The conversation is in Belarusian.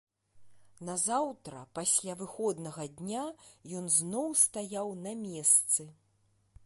Назаўтра пасля выходнага дня ён зноў стаяў на месцы.